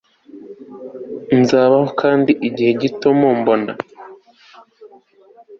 hazabaho ikindi gihe gito mumbone